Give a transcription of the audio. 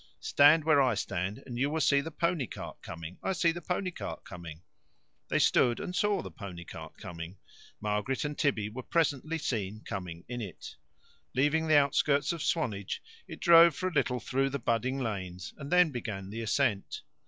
"Stand where I stand, and you will see the pony cart coming. I see the pony cart coming." They stood and saw the pony cart coming. Margaret and Tibby were presently seen coming in it. Leaving the outskirts of Swanage, it drove for a little through the budding lanes, and then began the ascent.